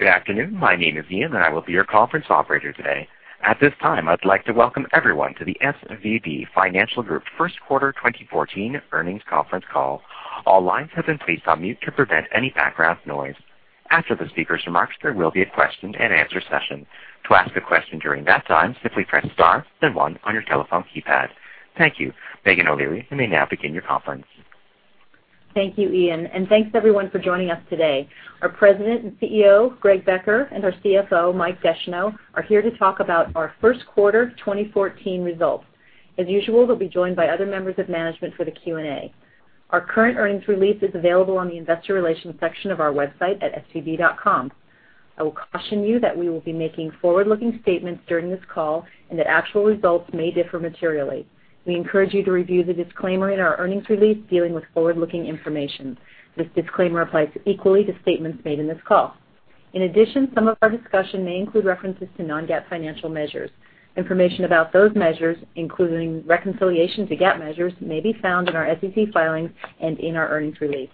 Good afternoon. My name is Ian, and I will be your conference operator today. At this time, I'd like to welcome everyone to the SVB Financial Group First Quarter 2014 Earnings Conference Call. All lines have been placed on mute to prevent any background noise. After the speaker's remarks, there will be a question and answer session. To ask a question during that time, simply press star then one on your telephone keypad. Thank you. Meghan O'Leary, you may now begin your conference. Thank you, Ian, and thanks everyone for joining us today. Our President and CEO, Greg Becker, and our CFO, Michael Descheneaux, are here to talk about our Q1 2014 results. As usual, they'll be joined by other members of management for the Q&A. Our current earnings release is available on the investor relations section of our website at svb.com. I will caution you that we will be making forward-looking statements during this call, and that actual results may differ materially. We encourage you to review the disclaimer in our earnings release dealing with forward-looking information. This disclaimer applies equally to statements made in this call. In addition, some of our discussion may include references to non-GAAP financial measures. Information about those measures, including reconciliation to GAAP measures, may be found in our SEC filings and in our earnings release.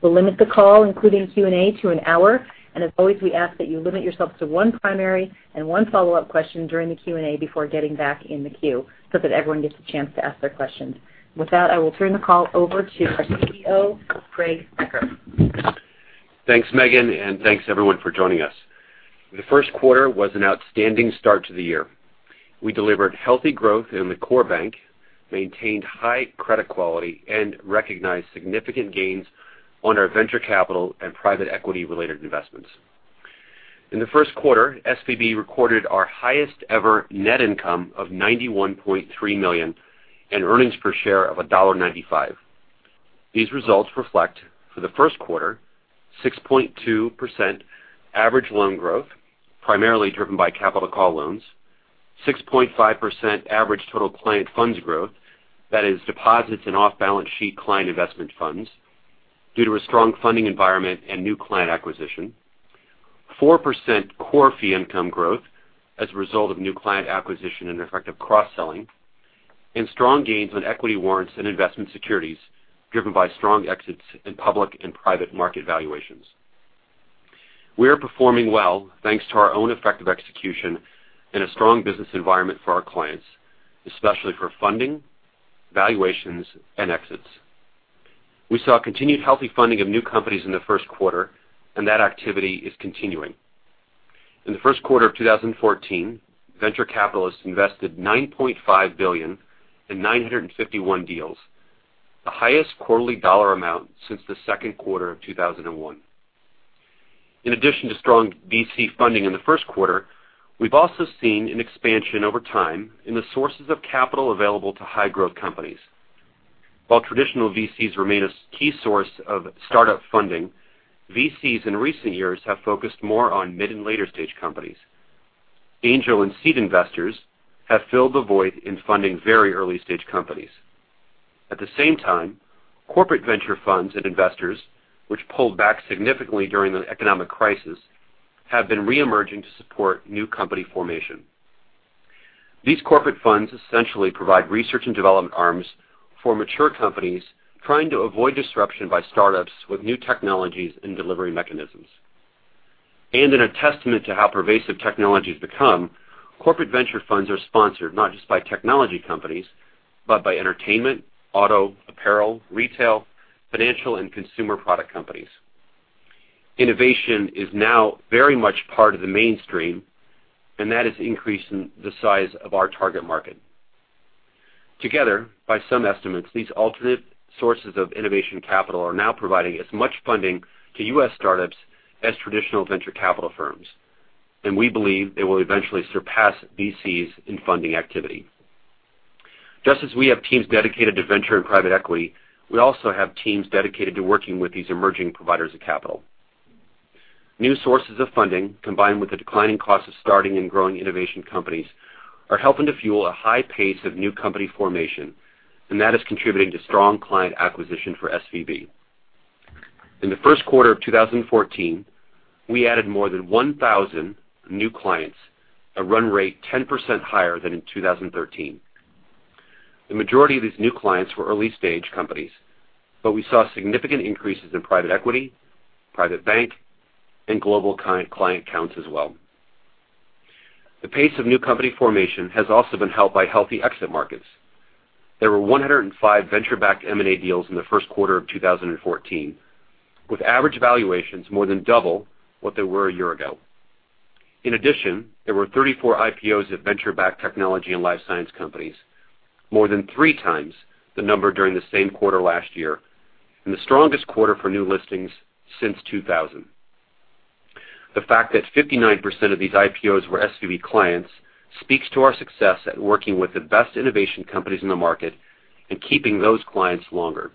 We'll limit the call, including Q&A, to an hour. As always, we ask that you limit yourself to one primary and one follow-up question during the Q&A before getting back in the queue so that everyone gets the chance to ask their questions. With that, I will turn the call over to our CEO, Greg Becker. Thanks, Meghan, and thanks everyone for joining us. The Q1 was an outstanding start to the year. We delivered healthy growth in the core bank, maintained high credit quality, and recognized significant gains on our venture capital and private equity-related investments. In the Q1, SVB recorded our highest ever net income of $91.3 million and earnings per share of $1.95. These results reflect, for the Q1, 6.2% average loan growth, primarily driven by capital call loans. 6.5% average total client funds growth, that is deposits and off-balance sheet client investment funds due to a strong funding environment and new client acquisition. 4% core fee income growth as a result of new client acquisition and effective cross-selling. Strong gains on equity warrants and investment securities driven by strong exits in public and private market valuations. We are performing well thanks to our own effective execution and a strong business environment for our clients, especially for funding, valuations, and exits. We saw continued healthy funding of new companies in the first quarter, and that activity is continuing. In the first quarter of 2014, venture capitalists invested $9.5 billion in 951 deals, the highest quarterly dollar amount since the second quarter of 2001. In addition to strong VC funding in the first quarter, we've also seen an expansion over time in the sources of capital available to high-growth companies. While traditional VCs remain a key source of startup funding, VCs in recent years have focused more on mid and later-stage companies. Angel and seed investors have filled the void in funding very early-stage companies. At the same time, corporate venture funds and investors, which pulled back significantly during the economic crisis, have been re-emerging to support new company formation. These corporate funds essentially provide research and development arms for mature companies trying to avoid disruption by startups with new technologies and delivery mechanisms. In a testament to how pervasive technology has become, corporate venture funds are sponsored not just by technology companies, but by entertainment, auto, apparel, retail, financial, and consumer product companies. Innovation is now very much part of the mainstream, and that is increasing the size of our target market. Together, by some estimates, these alternate sources of innovation capital are now providing as much funding to U.S. startups as traditional venture capital firms. We believe they will eventually surpass VCs in funding activity. Just as we have teams dedicated to venture and private equity, we also have teams dedicated to working with these emerging providers of capital. New sources of funding, combined with the declining cost of starting and growing innovation companies, are helping to fuel a high pace of new company formation, and that is contributing to strong client acquisition for SVB. In the first quarter of 2014, we added more than 1,000 new clients, a run rate 10% higher than in 2013. The majority of these new clients were early-stage companies, but we saw significant increases in private equity, private bank, and global client counts as well. The pace of new company formation has also been helped by healthy exit markets. There were 105 venture-backed M&A deals in the first quarter of 2014, with average valuations more than double what they were a year ago. In addition, there were 34 IPOs of venture-backed technology and life science companies, more than three times the number during the same quarter last year, and the strongest quarter for new listings since 2000. The fact that 59% of these IPOs were SVB clients speaks to our success at working with the best innovation companies in the market and keeping those clients longer.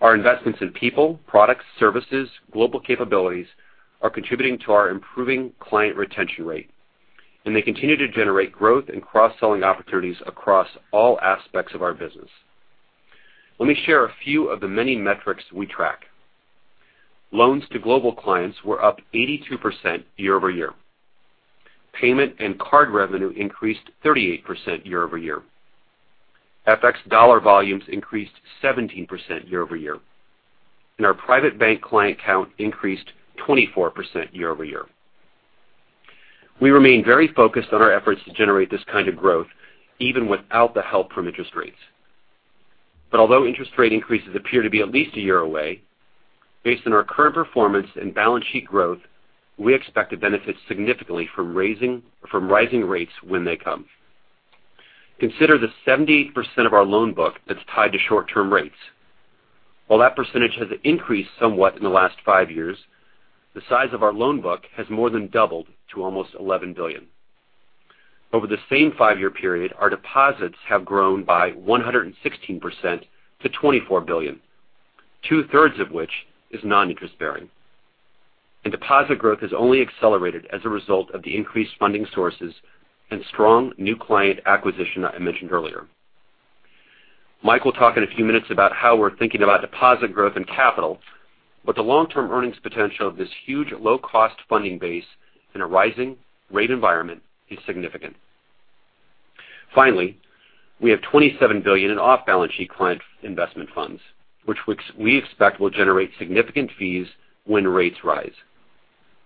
Our investments in people, products, services, global capabilities are contributing to our improving client retention rate, and they continue to generate growth and cross-selling opportunities across all aspects of our business. Let me share a few of the many metrics we track. Loans to global clients were up 82% year-over-year. Payment and card revenue increased 38% year-over-year. FX dollar volumes increased 17% year-over-year. Our private bank client count increased 24% year-over-year. We remain very focused on our efforts to generate this kind of growth, even without the help from interest rates. Although interest rate increases appear to be at least a year away, based on our current performance and balance sheet growth, we expect to benefit significantly from rising rates when they come. Consider the 78% of our loan book that's tied to short-term rates. While that percentage has increased somewhat in the last five years, the size of our loan book has more than doubled to almost $11 billion. Over the same five-year period, our deposits have grown by 116% to $24 billion, two-thirds of which is non-interest-bearing. Deposit growth has only accelerated as a result of the increased funding sources and strong new client acquisition I mentioned earlier. Mike will talk in a few minutes about how we're thinking about deposit growth and capital, the long-term earnings potential of this huge low-cost funding base in a rising rate environment is significant. Finally, we have $27 billion in off-balance sheet client investment funds, which we expect will generate significant fees when rates rise.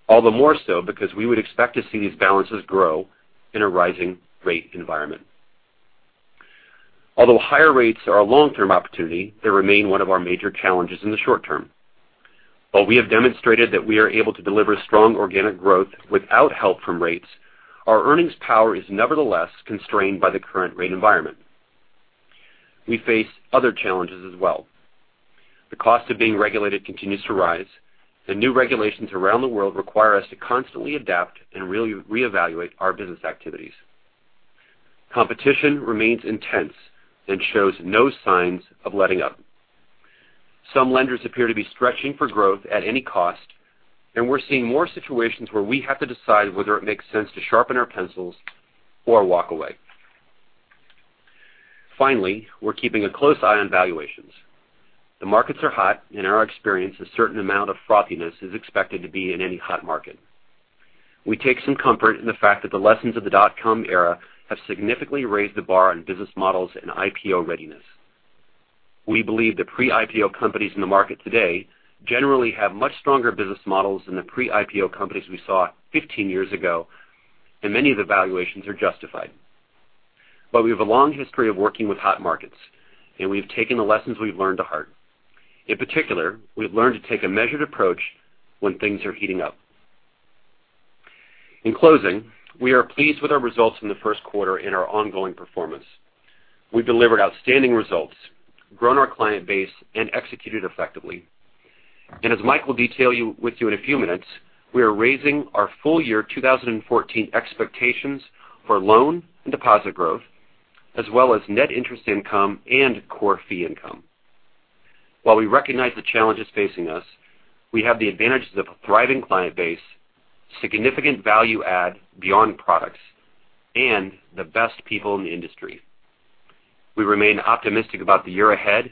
All the more so because we would expect to see these balances grow in a rising rate environment. Although higher rates are a long-term opportunity, they remain one of our major challenges in the short term. While we have demonstrated that we are able to deliver strong organic growth without help from rates, our earnings power is nevertheless constrained by the current rate environment. We face other challenges as well. New regulations around the world require us to constantly adapt and reevaluate our business activities. Competition remains intense, shows no signs of letting up. Some lenders appear to be stretching for growth at any cost, we're seeing more situations where we have to decide whether it makes sense to sharpen our pencils or walk away. Finally, we're keeping a close eye on valuations. The markets are hot, in our experience, a certain amount of frothiness is expected to be in any hot market. We take some comfort in the fact that the lessons of the dot-com era have significantly raised the bar on business models and IPO readiness. We believe the pre-IPO companies in the market today generally have much stronger business models than the pre-IPO companies we saw 15 years ago, many of the valuations are justified. We have a long history of working with hot markets, we've taken the lessons we've learned to heart. In particular, we've learned to take a measured approach when things are heating up. In closing, we are pleased with our results in the first quarter, our ongoing performance. We've delivered outstanding results, grown our client base, executed effectively. As Mike will detail with you in a few minutes, we are raising our full-year 2014 expectations for loan and deposit growth, as well as net interest income and core fee income. While we recognize the challenges facing us, we have the advantages of a thriving client base, significant value add beyond products, the best people in the industry. We remain optimistic about the year ahead,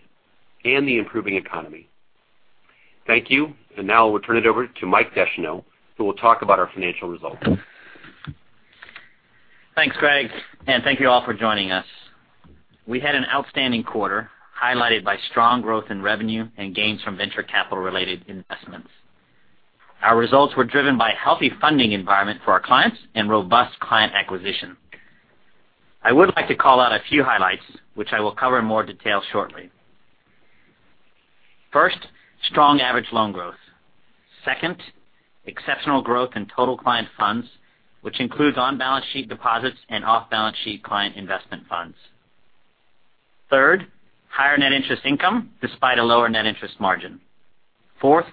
the improving economy. Thank you. Now I will turn it over to Michael Descheneaux, who will talk about our financial results. Thanks, Greg. Thank you all for joining us. We had an outstanding quarter, highlighted by strong growth in revenue and gains from venture capital-related investments. Our results were driven by a healthy funding environment for our clients and robust client acquisition. I would like to call out a few highlights, which I will cover in more detail shortly. First, strong average loan growth. Second, exceptional growth in total client funds, which includes on-balance sheet deposits and off-balance sheet client investment funds. Third, higher net interest income despite a lower net interest margin. Fourth,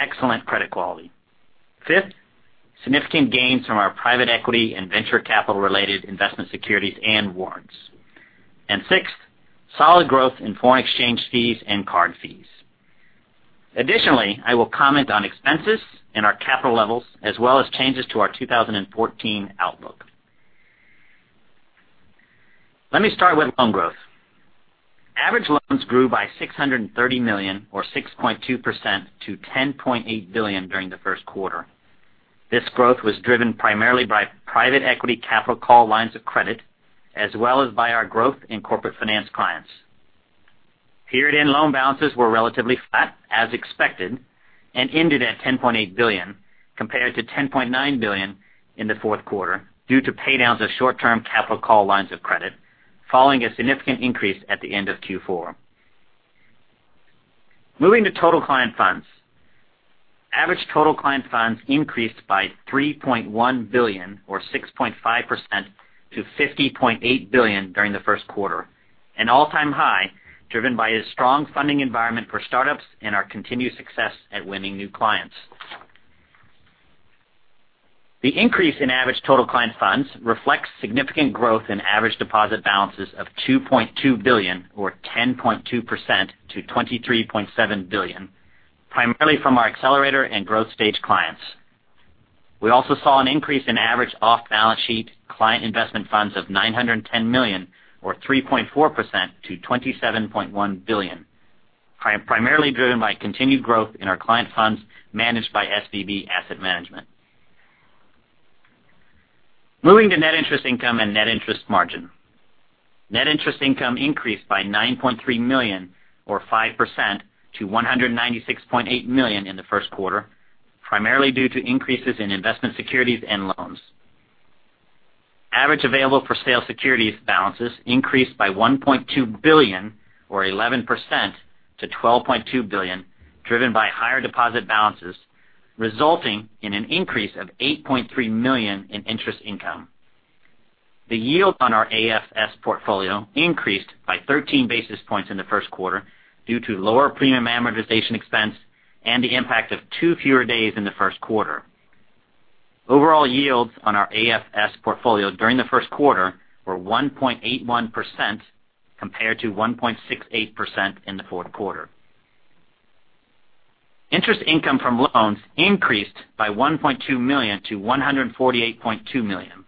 excellent credit quality. Fifth, significant gains from our private equity and venture capital-related investment securities and warrants. Sixth, solid growth in foreign exchange fees and card fees. Additionally, I will comment on expenses and our capital levels, as well as changes to our 2014 outlook. Let me start with loan growth. Average loans grew by $630 million or 6.2% to $10.8 billion during the first quarter. This growth was driven primarily by private equity capital call lines of credit, as well as by our growth in corporate finance clients. Period-end loan balances were relatively flat as expected and ended at $10.8 billion compared to $10.9 billion in the fourth quarter due to paydowns of short-term capital call lines of credit following a significant increase at the end of Q4. Moving to total client funds. Average total client funds increased by $3.1 billion or 6.5% to $50.8 billion during the first quarter, an all-time high driven by a strong funding environment for startups and our continued success at winning new clients. The increase in average total client funds reflects significant growth in average deposit balances of $2.2 billion or 10.2% to $23.7 billion, primarily from our accelerator and growth stage clients. We also saw an increase in average off-balance sheet client investment funds of $910 million or 3.4% to $27.1 billion. Primarily driven by continued growth in our client funds managed by SVB Asset Management. Moving to net interest income and net interest margin. Net interest income increased by $9.3 million or 5% to $196.8 million in the first quarter, primarily due to increases in investment securities and loans. Average available for sale securities balances increased by $1.2 billion or 11% to $12.2 billion, driven by higher deposit balances, resulting in an increase of $8.3 million in interest income. The yield on our AFS portfolio increased by 13 basis points in the first quarter due to lower premium amortization expense and the impact of two fewer days in the first quarter. Overall yields on our AFS portfolio during the first quarter were 1.81% compared to 1.68% in the fourth quarter. Interest income from loans increased by $1.2 million to $148.2 million.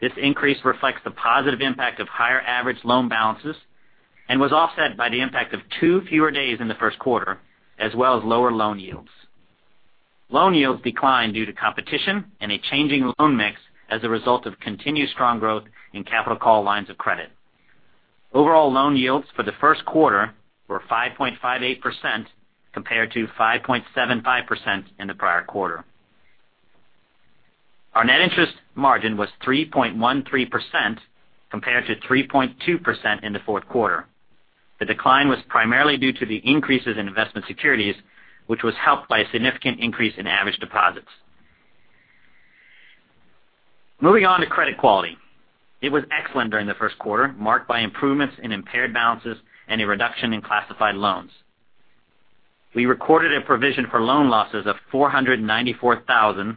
This increase reflects the positive impact of higher average loan balances and was offset by the impact of two fewer days in the first quarter, as well as lower loan yields. Loan yields declined due to competition and a changing loan mix as a result of continued strong growth in capital call lines of credit. Overall loan yields for the first quarter were 5.58% compared to 5.75% in the prior quarter. Our net interest margin was 3.13% compared to 3.2% in the fourth quarter. The decline was primarily due to the increases in investment securities, which was helped by a significant increase in average deposits. Moving on to credit quality. It was excellent during the first quarter, marked by improvements in impaired balances and a reduction in classified loans. We recorded a provision for loan losses of $494,000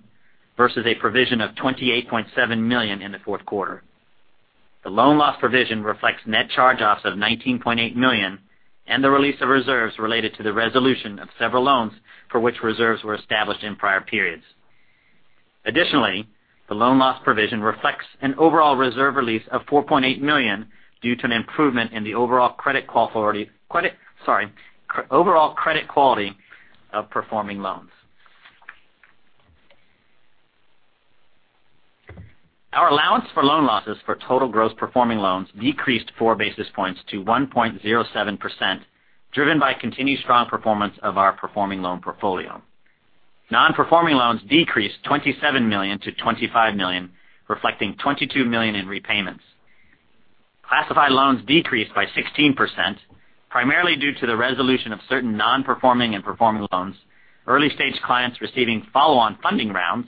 versus a provision of $28.7 million in the fourth quarter. The loan loss provision reflects net charge-offs of $19.8 million and the release of reserves related to the resolution of several loans for which reserves were established in prior periods. Additionally, the loan loss provision reflects an overall reserve release of $4.8 million due to an improvement in the overall credit quality of performing loans. Our allowance for loan losses for total gross performing loans decreased four basis points to 1.07%, driven by continued strong performance of our performing loan portfolio. Non-performing loans decreased $27 million to $25 million, reflecting $22 million in repayments. Classified loans decreased by 16%, primarily due to the resolution of certain non-performing and performing loans, early-stage clients receiving follow-on funding rounds,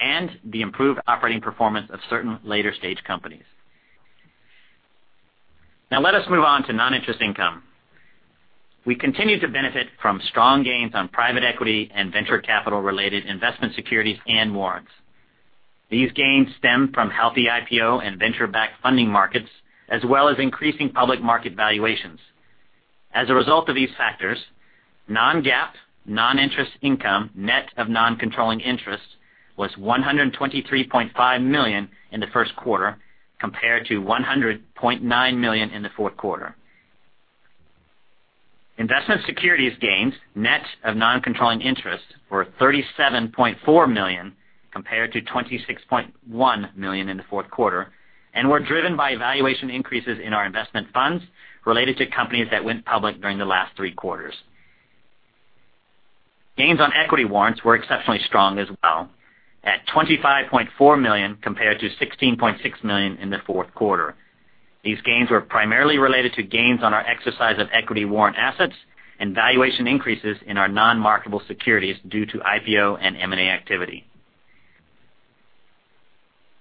and the improved operating performance of certain later-stage companies. Let us move on to non-interest income. We continue to benefit from strong gains on private equity and venture capital related investment securities and warrants. These gains stem from healthy IPO and venture-backed funding markets, as well as increasing public market valuations. As a result of these factors, non-GAAP non-interest income, net of non-controlling interest, was $123.5 million in the first quarter, compared to $100.9 million in the fourth quarter. Investment securities gains, net of non-controlling interest, were $37.4 million compared to $26.1 million in the fourth quarter and were driven by valuation increases in our investment funds related to companies that went public during the last three quarters. Gains on equity warrants were exceptionally strong as well at $25.4 million compared to $16.6 million in the fourth quarter. These gains were primarily related to gains on our exercise of equity warrant assets and valuation increases in our non-marketable securities due to IPO and M&A activity.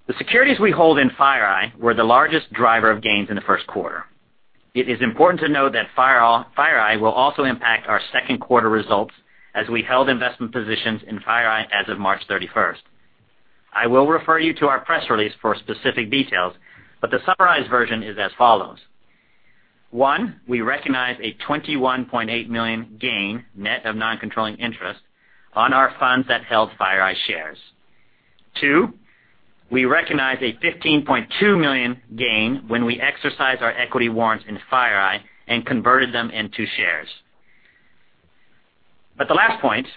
The securities we hold in FireEye were the largest driver of gains in the first quarter. It is important to note that FireEye will also impact our second quarter results as we held investment positions in FireEye as of March 31st. I will refer you to our press release for specific details, but the summarized version is as follows. One, we recognize a $21.8 million gain net of non-controlling interest on our funds that held FireEye shares. Two, we recognize a $15.2 million gain when we exercise our equity warrants in FireEye and converted them into shares. The last point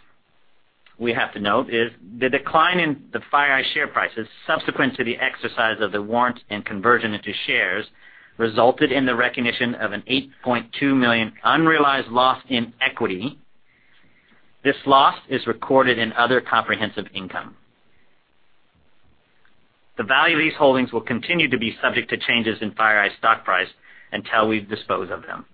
we have to note is the decline in the FireEye share prices subsequent to the exercise of the warrant and conversion into shares resulted in the recognition of an $8.2 million unrealized loss in equity. This loss is recorded in other comprehensive income. The value of these holdings will continue to be subject to changes in FireEye's stock price until we dispose of them.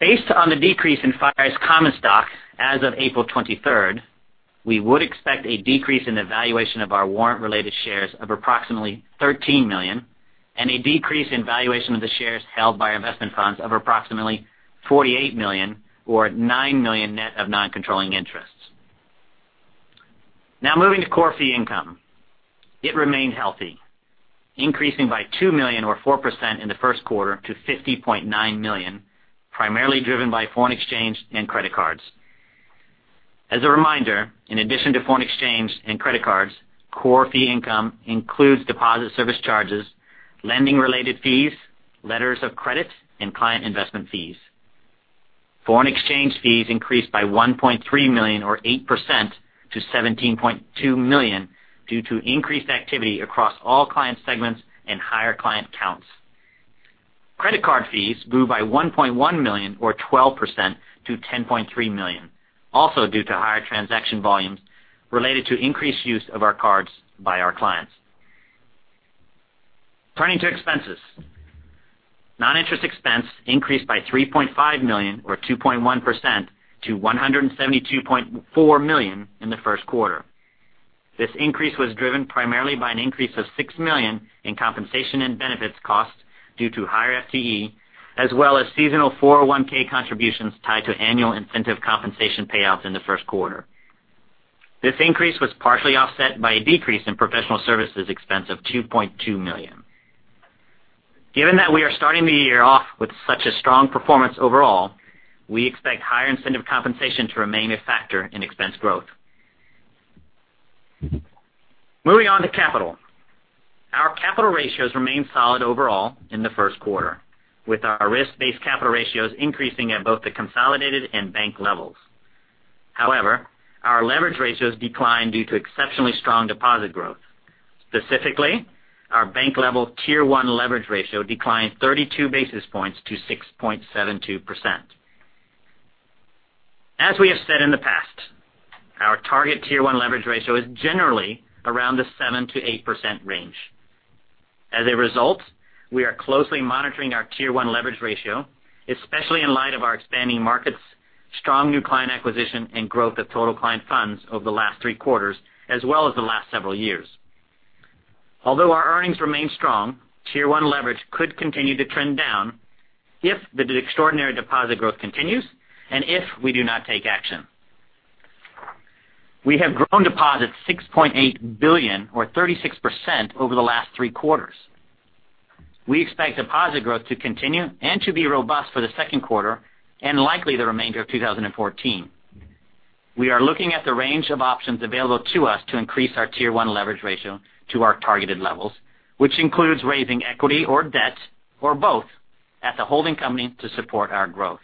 Based on the decrease in FireEye's common stock as of April 23rd, we would expect a decrease in the valuation of our warrant-related shares of approximately $13 million and a decrease in valuation of the shares held by our investment funds of approximately $48 million or $9 million net of non-controlling interests. Moving to core fee income. It remained healthy, increasing by $2 million or 4% in the first quarter to $50.9 million, primarily driven by foreign exchange and credit cards. As a reminder, in addition to foreign exchange and credit cards, core fee income includes deposit service charges, lending related fees, letters of credit, and client investment fees. Foreign exchange fees increased by $1.3 million or 8% to $17.2 million due to increased activity across all client segments and higher client counts. Credit card fees grew by $1.1 million or 12% to $10.3 million, also due to higher transaction volumes related to increased use of our cards by our clients. Turning to expenses. Non-interest expense increased by $3.5 million or 2.1% to $172.4 million in the first quarter. This increase was driven primarily by an increase of $6 million in compensation and benefits costs due to higher FTE, as well as seasonal 401 contributions tied to annual incentive compensation payouts in the first quarter. This increase was partially offset by a decrease in professional services expense of $2.2 million. Given that we are starting the year off with such a strong performance overall, we expect higher incentive compensation to remain a factor in expense growth. Moving on to capital. Our capital ratios remain solid overall in the first quarter, with our risk-based capital ratios increasing at both the consolidated and bank levels. However, our leverage ratios declined due to exceptionally strong deposit growth. Specifically, our bank level Tier 1 leverage ratio declined 32 basis points to 6.72%. As we have said in the past, our target Tier 1 leverage ratio is generally around the 7%-8% range. As a result, we are closely monitoring our Tier 1 leverage ratio, especially in light of our expanding markets, strong new client acquisition, and growth of total client funds over the last three quarters, as well as the last several years. Although our earnings remain strong, Tier 1 leverage could continue to trend down if the extraordinary deposit growth continues and if we do not take action. We have grown deposits $6.8 billion or 36% over the last three quarters. We expect deposit growth to continue and to be robust for the second quarter and likely the remainder of 2014. We are looking at the range of options available to us to increase our Tier 1 leverage ratio to our targeted levels, which includes raising equity or debt or both at the holding company to support our growth.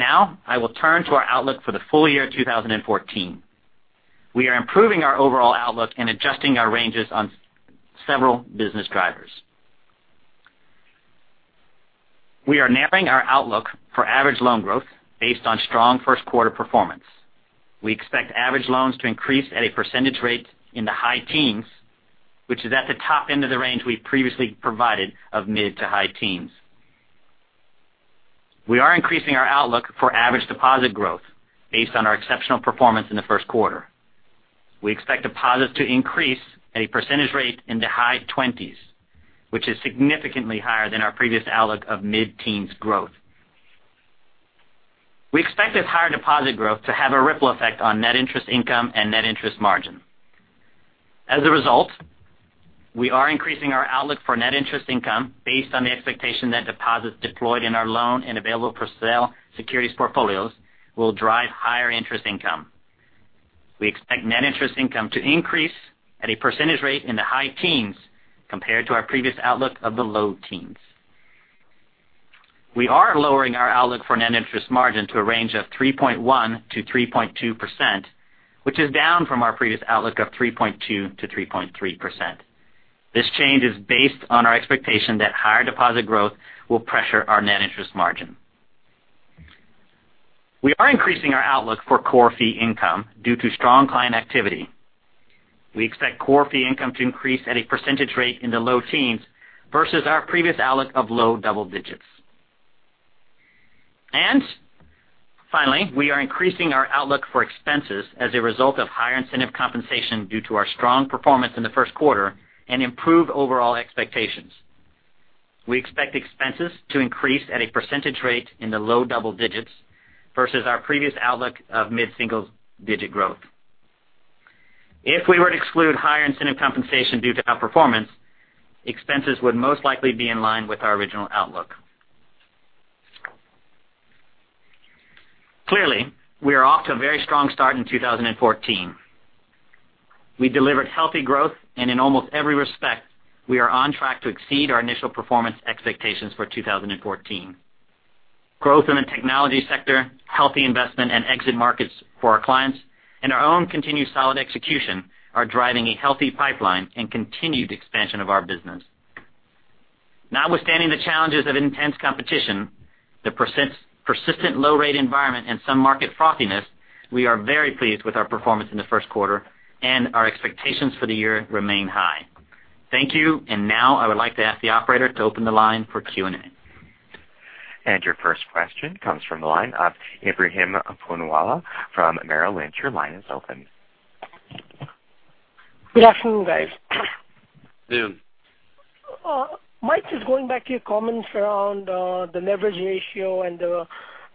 Now I will turn to our outlook for the full year 2014. We are improving our overall outlook and adjusting our ranges on several business drivers. We are narrowing our outlook for average loan growth based on strong first quarter performance. We expect average loans to increase at a percentage rate in the high teens, which is at the top end of the range we've previously provided of mid to high teens. We are increasing our outlook for average deposit growth based on our exceptional performance in the first quarter. We expect deposits to increase at a percentage rate in the high 20s, which is significantly higher than our previous outlook of mid-teens growth. We expect this higher deposit growth to have a ripple effect on net interest income and net interest margin. As a result, we are increasing our outlook for net interest income based on the expectation that deposits deployed in our loan and available for sale securities portfolios will drive higher interest income. We expect net interest income to increase at a percentage rate in the high teens compared to our previous outlook of the low teens. We are lowering our outlook for net interest margin to a range of 3.1%-3.2%, which is down from our previous outlook of 3.2%-3.3%. This change is based on our expectation that higher deposit growth will pressure our net interest margin. We are increasing our outlook for core fee income due to strong client activity. We expect core fee income to increase at a percentage rate in the low teens versus our previous outlook of low double digits. Finally, we are increasing our outlook for expenses as a result of higher incentive compensation due to our strong performance in the first quarter and improved overall expectations. We expect expenses to increase at a percentage rate in the low double digits versus our previous outlook of mid-single digit growth. If we were to exclude higher incentive compensation due to outperformance, expenses would most likely be in line with our original outlook. Clearly, we are off to a very strong start in 2014. We delivered healthy growth, and in almost every respect, we are on track to exceed our initial performance expectations for 2014. Growth in the technology sector, healthy investment and exit markets for our clients, and our own continued solid execution are driving a healthy pipeline and continued expansion of our business. Notwithstanding the challenges of intense competition, the persistent low rate environment and some market frothiness, we are very pleased with our performance in the first quarter, and our expectations for the year remain high. Thank you. Now I would like to ask the operator to open the line for Q&A. Your first question comes from the line of Ebrahim Poonawala from Merrill Lynch. Your line is open. Good afternoon, guys. Noon. Mike, just going back to your comments around the leverage ratio and the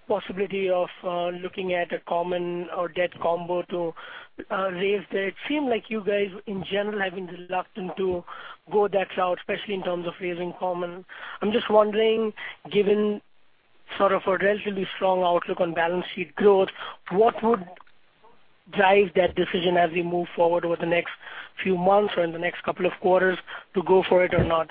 possibility of looking at a common or debt combo to raise debt. Seem like you guys in general have been reluctant to go that route, especially in terms of raising common. I'm just wondering, given sort of a relatively strong outlook on balance sheet growth, what would drive that decision as we move forward over the next few months or in the next couple of quarters to go for it or not?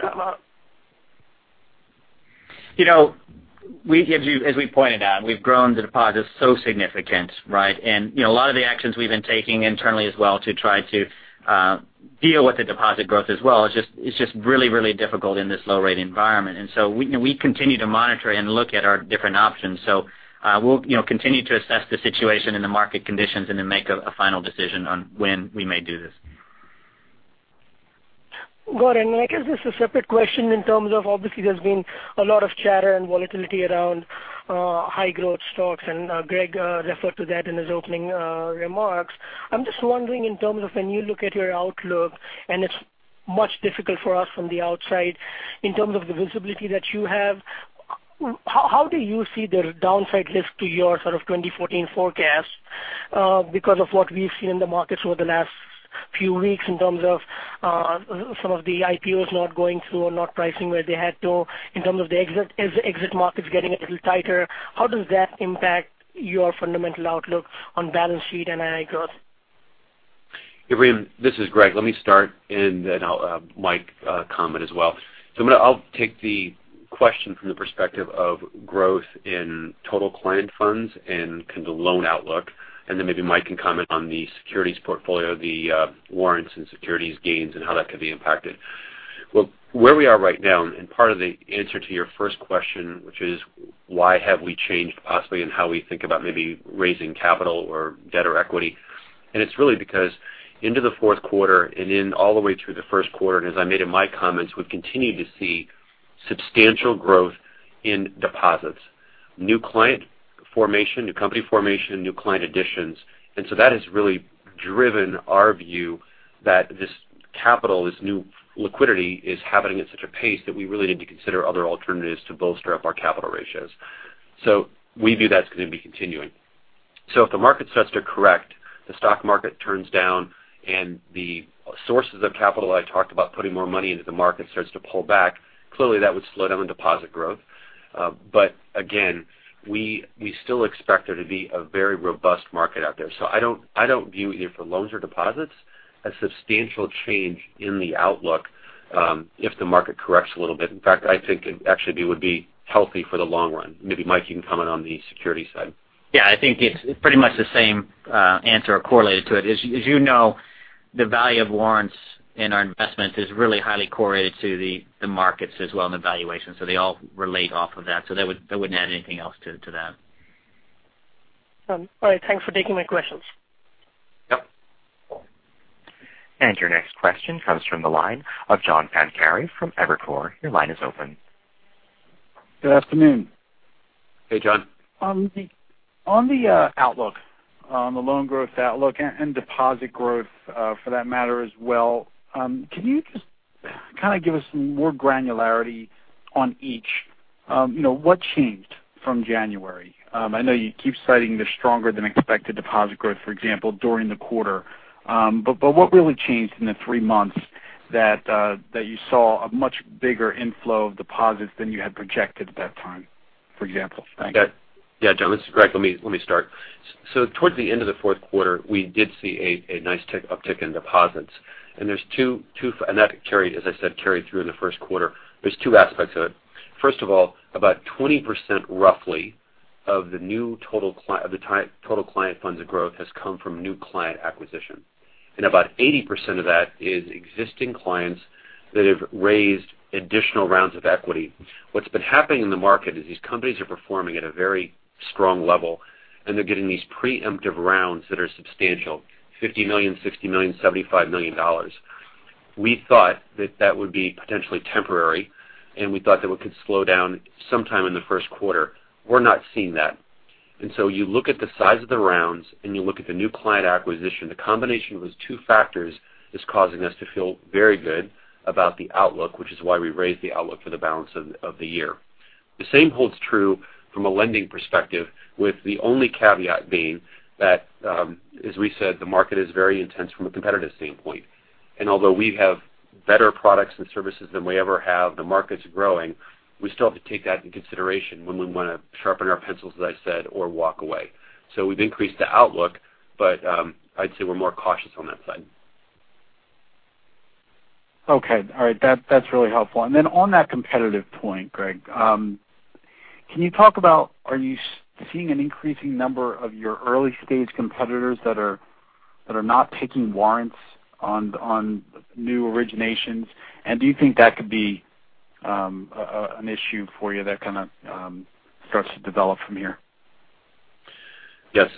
As we pointed out, we've grown the deposits so significant, right? A lot of the actions we've been taking internally as well to try to deal with the deposit growth as well, it's just really difficult in this low rate environment. We continue to monitor and look at our different options. We'll continue to assess the situation and the market conditions and then make a final decision on when we may do this. Got it. I guess this is a separate question in terms of, obviously, there's been a lot of chatter and volatility around high growth stocks, and Greg referred to that in his opening remarks. I'm just wondering in terms of when you look at your outlook, and it's much difficult for us from the outside in terms of the visibility that you have, how do you see the downside risk to your sort of 2014 forecast because of what we've seen in the markets over the last few weeks in terms of some of the IPOs not going through or not pricing where they had to, in terms of the exit markets getting a little tighter. How does that impact your fundamental outlook on balance sheet and NII growth? Ibrahim, this is Greg. Let me start and then Mike comment as well. I'll take the question from the perspective of growth in total client funds and kind of the loan outlook, and then maybe Mike can comment on the securities portfolio, the warrants and securities gains and how that could be impacted. Where we are right now, and part of the answer to your first question, which is why have we changed possibly in how we think about maybe raising capital or debt or equity. It's really because into the fourth quarter and then all the way through the first quarter, and as I made in my comments, we've continued to see substantial growth in deposits. New client formation, new company formation, new client additions. That has really driven our view that this capital, this new liquidity, is happening at such a pace that we really need to consider other alternatives to bolster up our capital ratios. We view that's going to be continuing. If the market starts to correct, the stock market turns down and the sources of capital I talked about putting more money into the market starts to pull back, clearly that would slow down the deposit growth. Again, we still expect there to be a very robust market out there. I don't view either for loans or deposits a substantial change in the outlook if the market corrects a little bit. In fact, I think it actually would be healthy for the long run. Maybe Mike can comment on the security side. Yeah, I think it's pretty much the same answer or correlated to it. As you know, the value of warrants in our investment is really highly correlated to the markets as well and the valuation. They all relate off of that. I wouldn't add anything else to that. All right. Thanks for taking my questions. Yep. Your next question comes from the line of John Pancari from Evercore. Your line is open. Good afternoon. Hey, John. On the outlook, on the loan growth outlook and deposit growth for that matter as well, can you just kind of give us more granularity on each? What changed from January? I know you keep citing the stronger than expected deposit growth, for example, during the quarter. What really changed in the three months that you saw a much bigger inflow of deposits than you had projected at that time, for example? Thank you. John, this is Greg. Let me start. Towards the end of the fourth quarter, we did see a nice uptick in deposits. That carried, as I said, carried through in the first quarter. There's two aspects of it. First of all, about 20%, roughly, of the total client funds of growth has come from new client acquisition. About 80% of that is existing clients that have raised additional rounds of equity. What's been happening in the market is these companies are performing at a very strong level, and they're getting these preemptive rounds that are substantial, $50 million, $60 million, $75 million. We thought that that would be potentially temporary, and we thought that it could slow down sometime in the first quarter. We're not seeing that. You look at the size of the rounds and you look at the new client acquisition. The combination of those two factors is causing us to feel very good about the outlook, which is why we raised the outlook for the balance of the year. The same holds true from a lending perspective, with the only caveat being that as we said, the market is very intense from a competitive standpoint. Although we have better products and services than we ever have, the market's growing, we still have to take that into consideration when we want to sharpen our pencils, as I said, or walk away. We've increased the outlook, but I'd say we're more cautious on that side. Okay. All right. That's really helpful. Then on that competitive point, Greg, can you talk about are you seeing an increasing number of your early-stage competitors that are not taking warrants on new originations? Do you think that could be an issue for you that kind of starts to develop from here? Yes.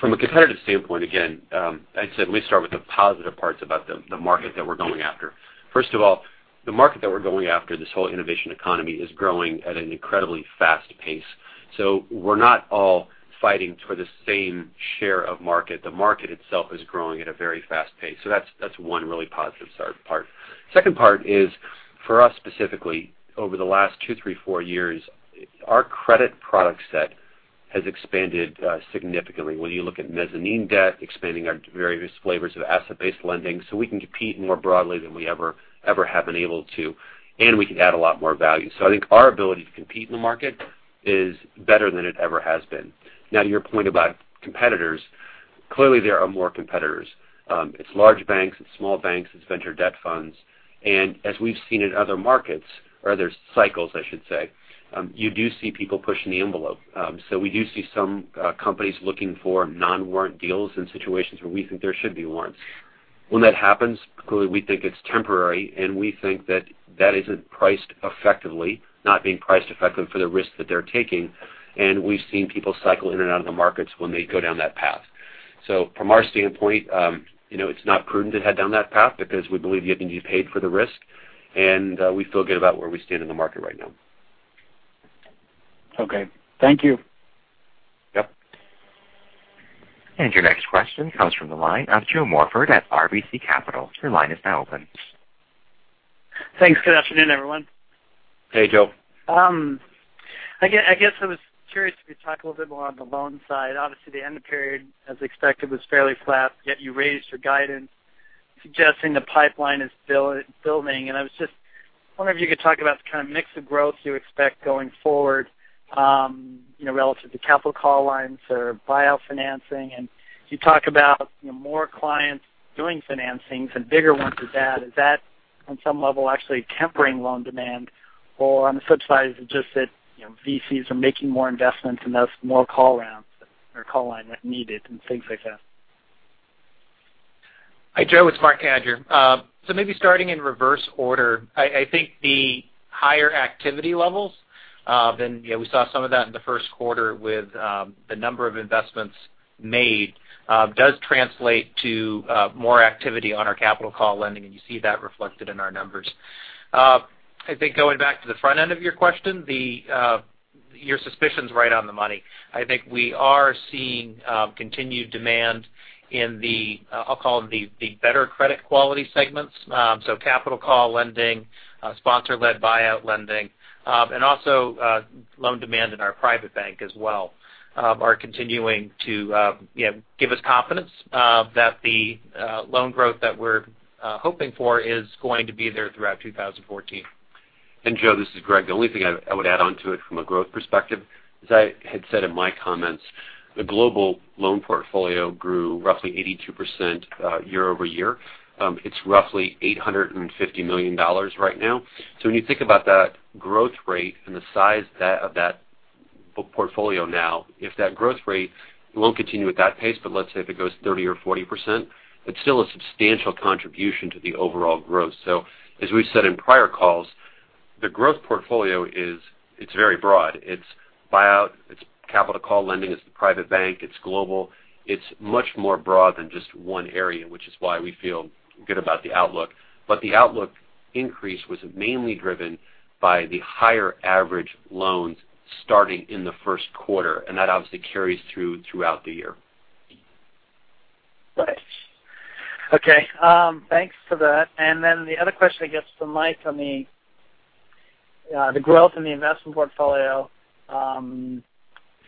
From a competitive standpoint, again, I'd say let me start with the positive parts about the market that we're going after. First of all, the market that we're going after, this whole innovation economy, is growing at an incredibly fast pace. We're not all fighting for the same share of market. The market itself is growing at a very fast pace. That's one really positive part. Second part is for us specifically, over the last two, three, four years, our credit product set has expanded significantly. When you look at mezzanine debt, expanding our various flavors of asset-based lending, we can compete more broadly than we ever have been able to, and we can add a lot more value. I think our ability to compete in the market is better than it ever has been. To your point about competitors Clearly, there are more competitors. It's large banks, it's small banks, it's venture debt funds. As we've seen in other markets or other cycles, I should say, you do see people pushing the envelope. We do see some companies looking for non-warrant deals in situations where we think there should be warrants. When that happens, clearly, we think it's temporary, and we think that that isn't priced effectively, not being priced effective for the risk that they're taking. We've seen people cycle in and out of the markets when they go down that path. From our standpoint, it's not prudent to head down that path because we believe you have to be paid for the risk. We feel good about where we stand in the market right now. Okay. Thank you. Yep. Your next question comes from the line of Joe Morford at RBC Capital. Your line is now open. Thanks. Good afternoon, everyone. Hey, Joe. I guess I was curious if you could talk a little bit more on the loan side. Obviously, the end of period, as expected, was fairly flat, yet you raised your guidance suggesting the pipeline is building. I was just wondering if you could talk about the kind of mix of growth you expect going forward, relative to capital call lines or buyout financing. You talk about more clients doing financings and bigger ones at that. Is that, on some level, actually tempering loan demand or on the flip side, is it just that VCs are making more investments and thus more capital calls or call line needed and things like that? Hi, Joe. It's Marc Cadieux. Maybe starting in reverse order. I think the higher activity levels, we saw some of that in the first quarter with the number of investments made, does translate to more activity on our capital call lending, and you see that reflected in our numbers. I think going back to the front end of your question, your suspicion's right on the money. I think we are seeing continued demand in the, I'll call them the better credit quality segments. Capital call lending, sponsor-led buyout lending, and also loan demand in our private bank as well are continuing to give us confidence that the loan growth that we're hoping for is going to be there throughout 2014. Joe, this is Greg. The only thing I would add onto it from a growth perspective, as I had said in my comments, the global loan portfolio grew roughly 82% year-over-year. It's roughly $850 million right now. When you think about that growth rate and the size of that book portfolio now, if that growth rate won't continue at that pace, but let's say if it goes 30% or 40%, it's still a substantial contribution to the overall growth. As we've said in prior calls, the growth portfolio is very broad. It's buyout, it's capital call lending, it's the private bank, it's global. It's much more broad than just one area, which is why we feel good about the outlook. The outlook increase was mainly driven by the higher average loans starting in the first quarter, and that obviously carries through throughout the year. Right. Okay. Thanks for that. The other question, I guess, from Mike on the growth in the investment portfolio.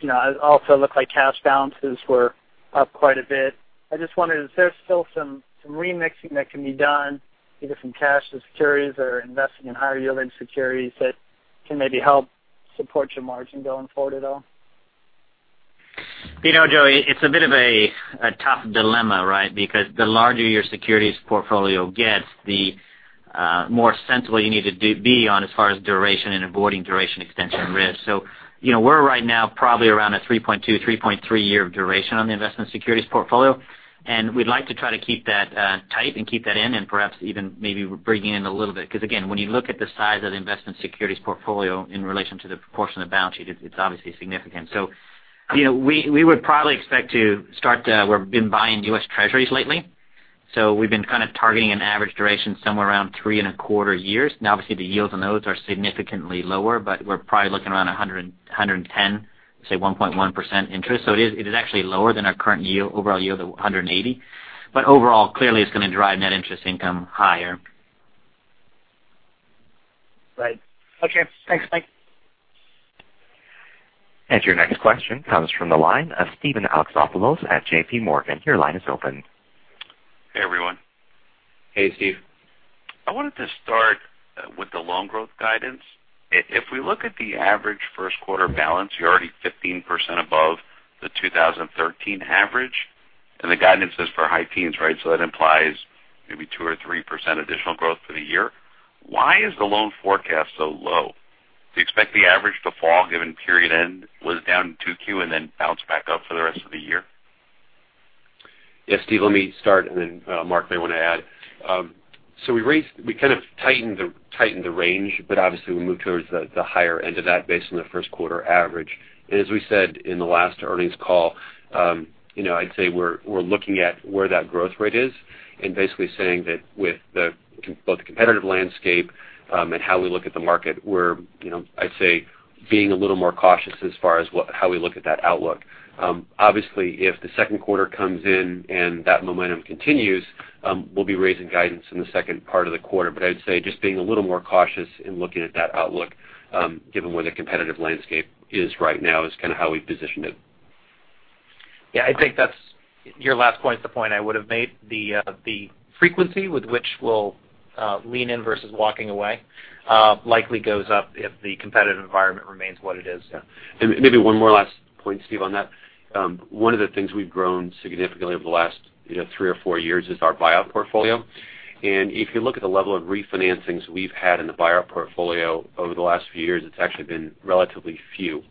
It also looked like cash balances were up quite a bit. I just wondered if there's still some remixing that can be done, either from cash to securities or investing in higher yielding securities that can maybe help support your margin going forward at all. You know, Joe, it's a bit of a tough dilemma, right? The larger your securities portfolio gets, the more sensible you need to be on as far as duration and avoiding duration extension risk. We're right now probably around a 3.2, 3.3 year of duration on the investment securities portfolio. We'd like to try to keep that tight and keep that in and perhaps even maybe bringing in a little bit. Again, when you look at the size of the investment securities portfolio in relation to the proportion of the balance sheet, it's obviously significant. We would probably expect to start to we've been buying US Treasuries lately. We've been kind of targeting an average duration somewhere around three and a quarter years. Now, obviously, the yields on those are significantly lower, but we're probably looking around 110, say, 1.1% interest. It is actually lower than our current overall yield of 180. Overall, clearly, it's going to drive net interest income higher. Right. Okay. Thanks, Mike. Your next question comes from the line of Steven Alexopoulos at J.P. Morgan. Your line is open. Hey, everyone. Hey, Steve. I wanted to start with the loan growth guidance. If we look at the average first quarter balance, you're already 15% above the 2013 average, and the guidance is for high teens, right? That implies maybe 2% or 3% additional growth for the year. Why is the loan forecast so low? Do you expect the average to fall given period end was down in 2Q and then bounce back up for the rest of the year? Yes, Steve, let me start, and then Mark may want to add. We kind of tightened the range, but obviously we moved towards the higher end of that based on the first quarter average. As we said in the last earnings call, I'd say we're looking at where that growth rate is and basically saying that with both the competitive landscape, and how we look at the market, we're, I'd say, being a little more cautious as far as how we look at that outlook. Obviously, if the second quarter comes in and that momentum continues, we'll be raising guidance in the second part of the quarter. I'd say just being a little more cautious in looking at that outlook, given where the competitive landscape is right now is kind of how we positioned it. Yeah, I think your last point is the point I would have made. The frequency with which we'll Lean in versus walking away likely goes up if the competitive environment remains what it is. Yeah. Maybe one more last point, Steve, on that. One of the things we've grown significantly over the last three or four years is our buyout portfolio. If you look at the level of refinancings we've had in the buyout portfolio over the last few years, it's actually been relatively few.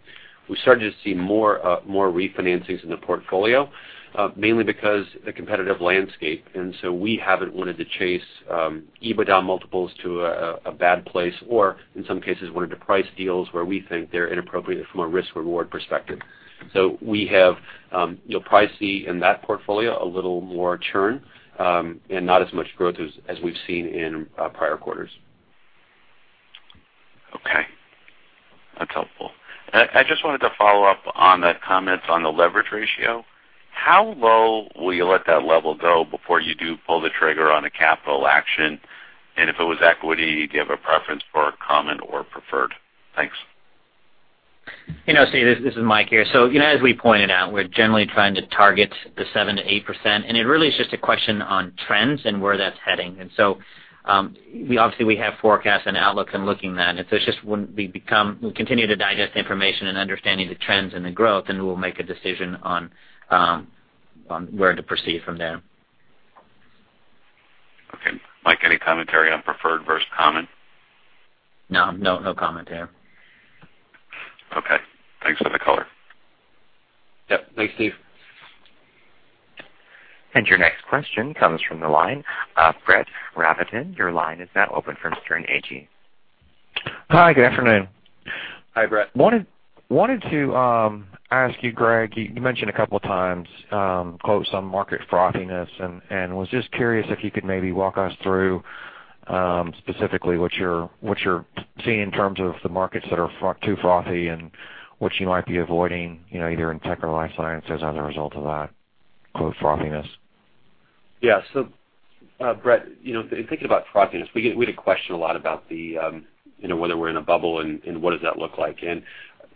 We're starting to see more refinancings in the portfolio, mainly because the competitive landscape. We haven't wanted to chase EBITDA multiples to a bad place or, in some cases, wanted to price deals where we think they're inappropriate from a risk-reward perspective. You'll probably see in that portfolio a little more churn, and not as much growth as we've seen in prior quarters. Okay. That's helpful. I just wanted to follow up on the comments on the leverage ratio. How low will you let that level go before you do pull the trigger on a capital action? If it was equity, do you have a preference for common or preferred? Thanks. Steve, this is Mike here. As we pointed out, we're generally trying to target the 7%-8%, and it really is just a question on trends and where that's heading. Obviously, we have forecasts and outlooks and looking then. We'll continue to digest the information and understanding the trends and the growth, and we'll make a decision on where to proceed from there. Okay. Mike, any commentary on preferred versus common? No. No comment there. Okay. Thanks for the color. Yep. Thanks, Steve. Your next question comes from the line of Brett Rabatin. Your line is now open from Sterne Agee. Hi, good afternoon. Hi, Brett. I wanted to ask you, Greg, you mentioned a couple of times, quotes on market frothiness, and was just curious if you could maybe walk us through specifically what you're seeing in terms of the markets that are too frothy and what you might be avoiding either in tech or life sciences as a result of that, quote, "frothiness. Yeah. Brett, in thinking about frothiness, we get a question a lot about whether we're in a bubble and what does that look like.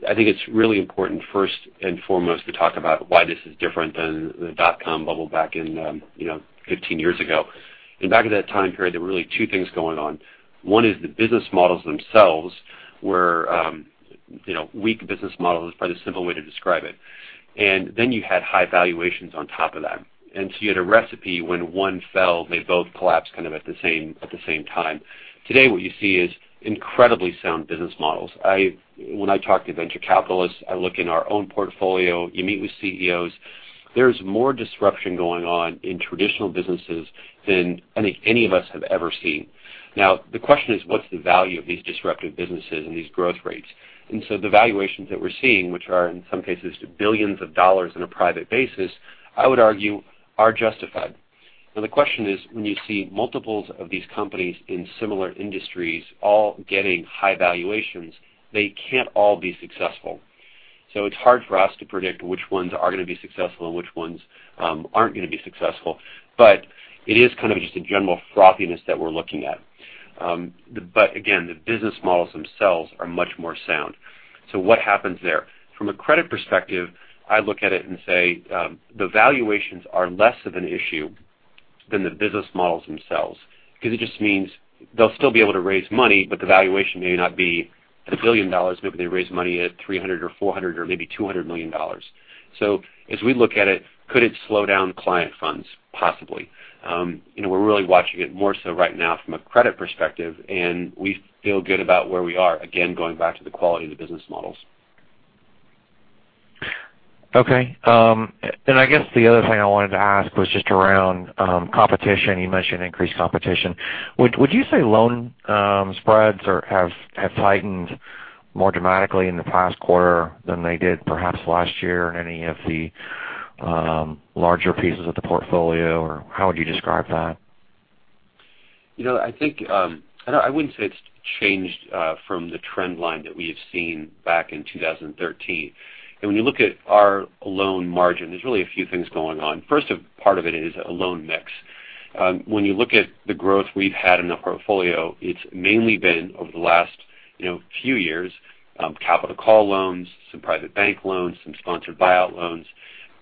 I think it's really important, first and foremost, we talk about why this is different than the dot-com bubble back 15 years ago. Back at that time period, there were really two things going on. One is the business models themselves were weak business models, probably a simple way to describe it. You had high valuations on top of that. You had a recipe when one fell, they both collapsed kind of at the same time. Today, what you see is incredibly sound business models. When I talk to venture capitalists, I look in our own portfolio, you meet with CEOs. There's more disruption going on in traditional businesses than I think any of us have ever seen. Now, the question is, what's the value of these disruptive businesses and these growth rates? The valuations that we're seeing, which are, in some cases, billions of dollars on a private basis, I would argue, are justified. Now, the question is, when you see multiples of these companies in similar industries all getting high valuations, they can't all be successful. It's hard for us to predict which ones are going to be successful and which ones aren't going to be successful. It is kind of just a general frothiness that we're looking at. Again, the business models themselves are much more sound. What happens there? From a credit perspective, I look at it and say the valuations are less of an issue than the business models themselves because it just means they'll still be able to raise money, but the valuation may not be $1 billion. Maybe they raise money at $300 or $400 or maybe $200 million. As we look at it, could it slow down client funds? Possibly. We're really watching it more so right now from a credit perspective, and we feel good about where we are, again, going back to the quality of the business models. Okay. I guess the other thing I wanted to ask was just around competition. You mentioned increased competition. Would you say loan spreads have tightened more dramatically in the past quarter than they did perhaps last year in any of the larger pieces of the portfolio? How would you describe that? I wouldn't say it's changed from the trend line that we have seen back in 2013. When you look at our loan margin, there's really a few things going on. First part of it is a loan mix. When you look at the growth we've had in the portfolio, it's mainly been over the last few years, capital call loans, some private bank loans, some sponsored buyout loans,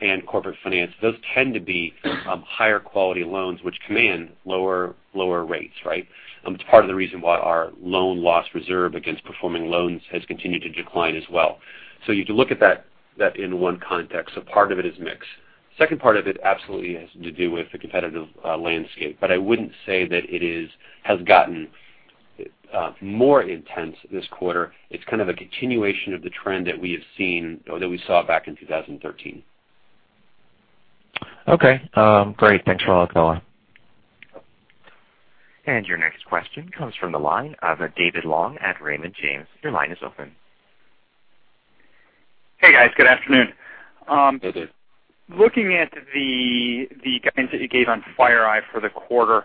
and corporate finance. Those tend to be higher quality loans which command lower rates, right? It's part of the reason why our loan loss reserve against performing loans has continued to decline as well. You can look at that in one context. Part of it is mix. Second part of it absolutely has to do with the competitive landscape. I wouldn't say that it has gotten more intense this quarter. It's kind of a continuation of the trend that we have seen or that we saw back in 2013. Okay, great. Thanks for all the color. Your next question comes from the line of David Long at Raymond James. Your line is open. Hey, guys. Good afternoon. Hey, David. Looking at the guidance that you gave on FireEye for the quarter.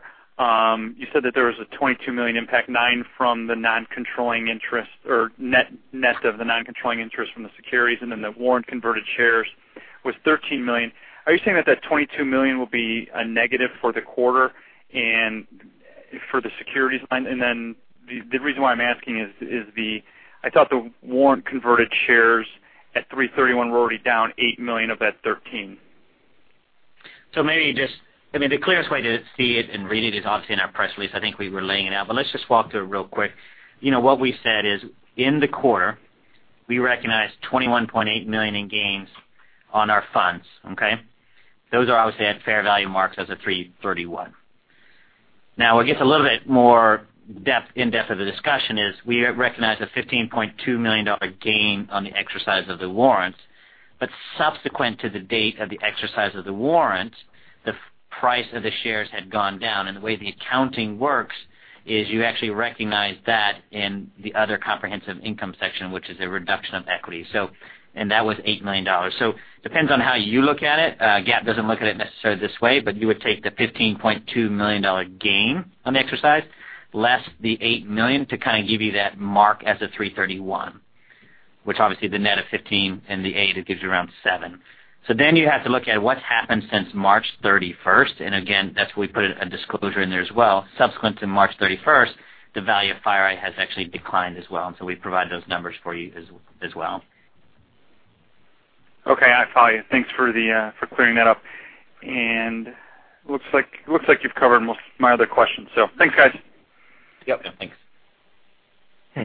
You said that there was a $22 million impact, nine from the non-controlling interest or net of the non-controlling interest from the securities, the warrant converted shares was $13 million. Are you saying that that $22 million will be a negative for the quarter and for the securities line? The reason why I'm asking is I thought the warrant converted shares at 331 were already down $8 million of that 13. Maybe just, the clearest way to see it and read it is obviously in our press release. I think we were laying it out, let's just walk through it real quick. What we said is, in the quarter, we recognized $21.8 million in gains on our funds, okay. Those are obviously at fair value marks as of 3/31. It gets a little bit more in-depth of the discussion is we recognized a $15.2 million gain on the exercise of the warrants, subsequent to the date of the exercise of the warrants, the price of the shares had gone down. The way the accounting works is you actually recognize that in the other comprehensive income section, which is a reduction of equity. That was $8 million. Depends on how you look at it. GAAP doesn't look at it necessarily this way, but you would take the $15.2 million gain on the exercise, less the $8 million to kind of give you that mark as of 3/31. Which obviously the net of 15 and the eight, it gives you around seven. You have to look at what's happened since March 31st. Again, that's why we put a disclosure in there as well. Subsequent to March 31st, the value of FireEye has actually declined as well. We provide those numbers for you as well. Okay. I follow you. Thanks for clearing that up. Looks like you've covered most of my other questions. Thanks, guys. Yep. Yeah. Thanks.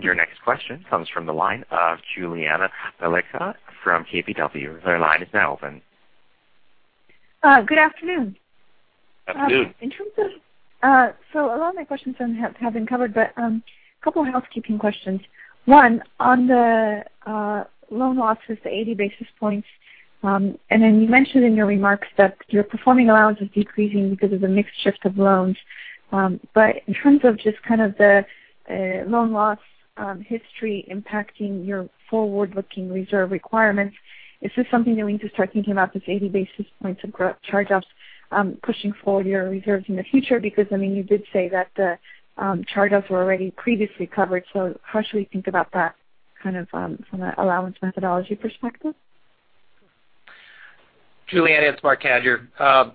Your next question comes from the line of Julianna Balicka from KBW. Your line is now open. Good afternoon. Afternoon. A lot of my questions have been covered, but couple of housekeeping questions. One, on the loan losses, the 80 basis points. You mentioned in your remarks that your performing allowance is decreasing because of the mix shift of loans. In terms of just kind of the loan loss history impacting your forward-looking reserve requirements, is this something that we need to start thinking about, this 80 basis points of gross charge-offs pushing forward your reserves in the future? Because you did say that the charge-offs were already previously covered. How should we think about that kind of from an allowance methodology perspective? Juliana, it's Marc Cadieux.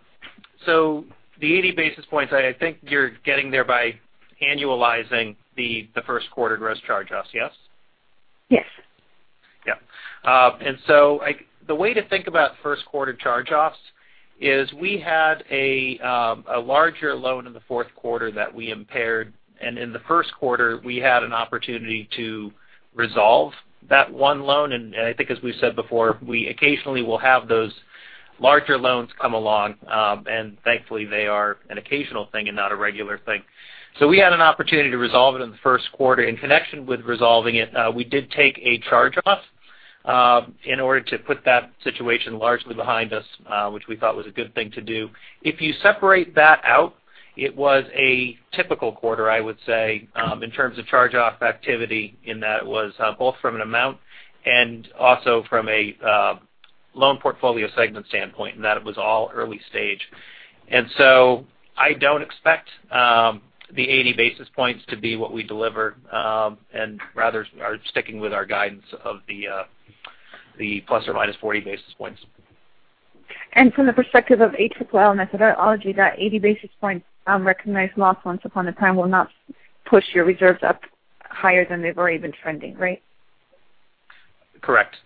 The 80 basis points, I think you're getting there by annualizing the first quarter gross charge-offs, yes? Yes. Yep. The way to think about first quarter charge-offs is we had a larger loan in the fourth quarter that we impaired, and in the first quarter, we had an opportunity to resolve that one loan. I think as we've said before, we occasionally will have those larger loans come along, and thankfully they are an occasional thing and not a regular thing. We had an opportunity to resolve it in the first quarter. In connection with resolving it, we did take a charge-off in order to put that situation largely behind us, which we thought was a good thing to do. If you separate that out, it was a typical quarter, I would say, in terms of charge-off activity in that it was both from an amount and also from a loan portfolio segment standpoint, in that it was all early stage. I don't expect the 80 basis points to be what we deliver, rather are sticking with our guidance of the ±40 basis points. From the perspective of ACL methodology, that 80 basis points recognized loss once upon a time will not push your reserves up higher than they've already been trending, right? Correct.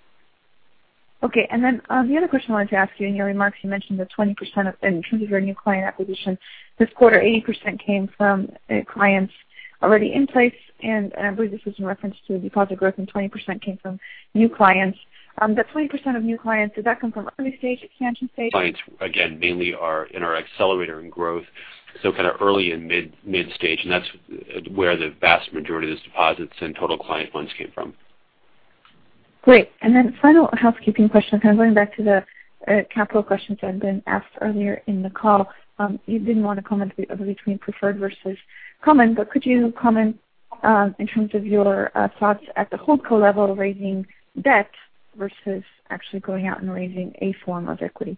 The other question I wanted to ask you, in your remarks you mentioned the 20% in terms of your new client acquisition this quarter, 80% came from clients already in place, and I believe this was in reference to deposit growth, 20% came from new clients. That 20% of new clients, does that come from early stage expansion stage? Clients, again, mainly are in our accelerator and growth, so kind of early and mid stage. That's where the vast majority of those deposits and total client funds came from. Great. Final housekeeping question, kind of going back to the capital questions that have been asked earlier in the call. You didn't want to comment between preferred versus common, but could you comment in terms of your thoughts at the holdco level, raising debt versus actually going out and raising a form of equity?